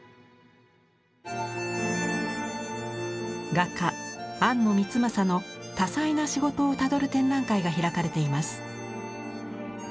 画家安野光雅の多彩な仕事をたどる展覧会が開かれています。